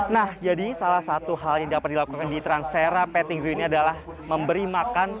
nah jadi salah satu hal yang dapat dilakukan di transera petting zoo ini adalah memberi makan